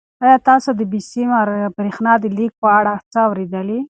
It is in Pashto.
آیا تاسو د بې سیمه بریښنا د لېږد په اړه څه اورېدلي؟